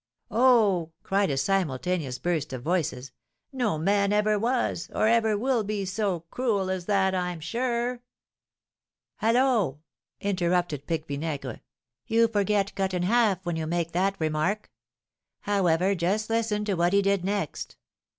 "Oh!" cried a simultaneous burst of voices, "no man ever was, or ever will be, so cruel as that, I'm sure!" "Hallo!" interrupted Pique Vinaigre, "you forget Cut in Half when you make that remark. However, just listen to what he did next.